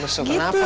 lo suka kenapa nak